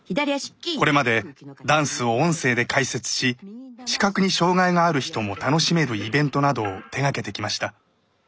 これまでダンスを音声で解説し視覚に障害がある人も楽しめるイベントなどを手がけてきました。